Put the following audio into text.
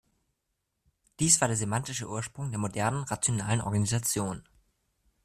Dies war der semantische Ursprung der modernen, rationalen Organisation.